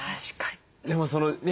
でもそのね